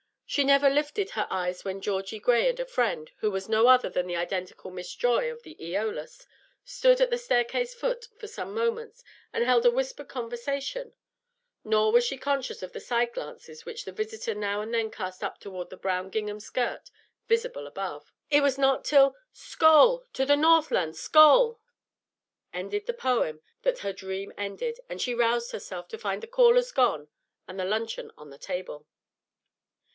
She never lifted her eyes when Georgie Gray and a friend, who was no other than the identical Miss Joy of the "Eolus," stood at the staircase foot for some moments and held a whispered conversation; nor was she conscious of the side glances which the visitor now and then cast up toward the brown gingham skirt visible above. It was not till "Skoal! to the Northland! skoal!" ended the poem, that her dream ended, and she roused herself to find the callers gone and luncheon on the table.